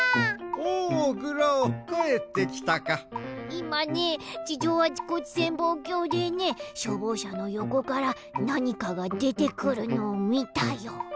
いまね地上あちこち潜望鏡でねしょうぼうしゃのよこからなにかがでてくるのをみたよ。